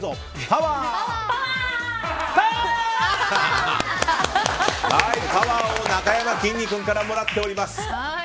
パワーをなかやまきんに君からもらっております。